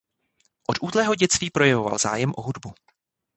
Od útlého dětství projevoval zájem o hudbu.